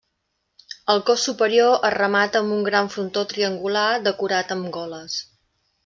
El cos superior es remata amb un gran frontó triangular decorat amb goles.